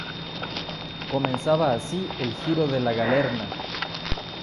Comenzaba así el Giro de la Galerna.